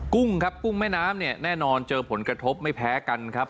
กุ้งครับกุ้งแม่น้ำเนี่ยแน่นอนเจอผลกระทบไม่แพ้กันครับ